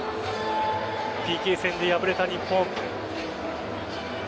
ＰＫ戦で敗れた日本。